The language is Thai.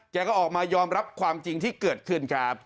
แกก็ออกมายอมรับความจริงที่เกิดขึ้นครับ